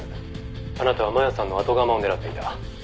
「あなたは真弥さんの後釜を狙っていた」